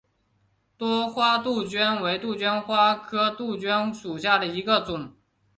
多花杜鹃为杜鹃花科杜鹃属下的一个种。